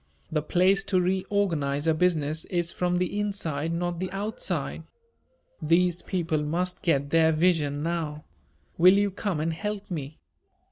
The place to reorganize a business is from the inside, not the outside. These people must get their vision now. Will you come and help me?"